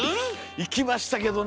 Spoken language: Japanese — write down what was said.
いきましたけどね。